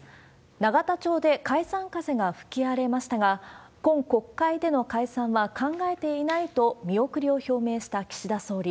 永田町で解散風が吹き荒れましたが、今国会での解散は考えていないと、見送りを表明した岸田総理。